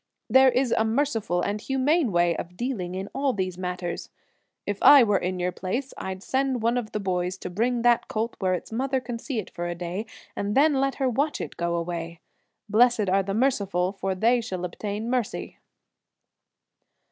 There is a merciful and humane way of dealing in all these matters. If I were in your place, I'd send one of the boys to bring that colt where its mother can see it for a day and then let her watch it go away. 'Blessed are the merciful, for they shall obtain mercy.'"